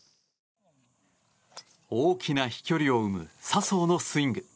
大きな飛距離を生む笹生のスイング。